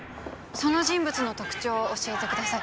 その人物の特徴を教えてください。